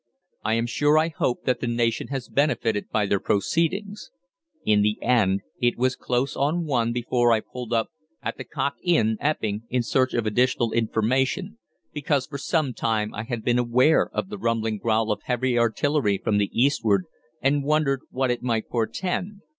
I am sure I hope that the nation has benefited by their proceedings. In the end it was close on one before I pulled up at the Cock Inn, Epping, in search of additional information, because for some time I had been aware of the rumbling growl of heavy artillery from the eastward, and wondered what it might portend.